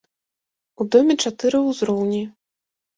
У доме чатыры ўзроўні.